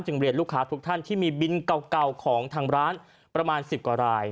เรียนลูกค้าทุกท่านที่มีบินเก่าของทางร้านประมาณ๑๐กว่าราย